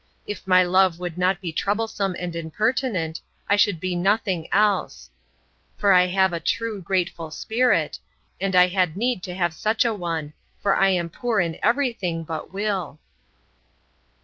If my love would not be troublesome and impertinent, I should be nothing else; for I have a true grateful spirit; and I had need to have such a one, for I am poor in every thing but will.